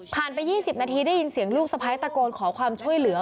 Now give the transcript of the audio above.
ไป๒๐นาทีได้ยินเสียงลูกสะพ้ายตะโกนขอความช่วยเหลือ